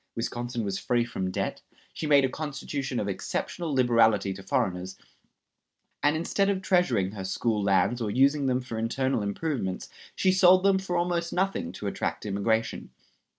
Wisconsin was free from debt; she made a constitution of exceptional liberality to foreigners, and instead of treasuring her school lands or using them for internal improvements, she sold them for almost nothing to attract immigration.